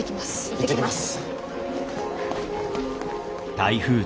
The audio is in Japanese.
行ってきます。